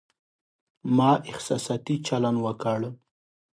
ما احساساتي چلند وکړ